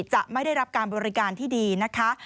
จะไม่ได้รับการบริการที่ดีนะคะ